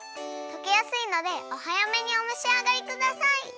とけやすいのでおはやめにおめしあがりください。